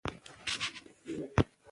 وخت د انسان تر ټولو قيمتي شتمني ده.